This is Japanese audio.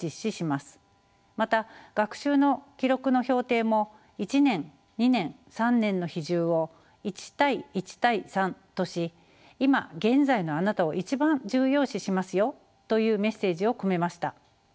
また学習の記録の評定も１年２年３年の比重を１対１対３とし今現在のあなたを一番重要視しますよというメッセージを込めました。